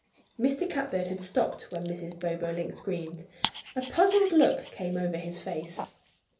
Mr. Catbird had stopped when Mrs. Bobolink screamed. A puzzled look came over his face.